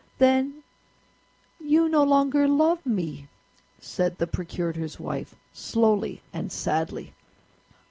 "Then you no longer love me!" said the procurator's wife, slowly and sadly.